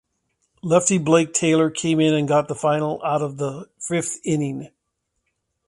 Lefty Blake Taylor came in and got the final out of the fifth inning.